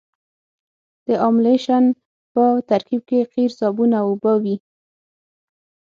د املشن په ترکیب کې قیر صابون او اوبه وي